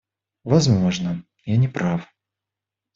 Возможно, я неправ.